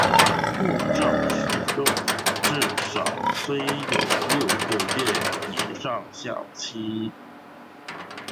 護照使用至少須有六個月以上效期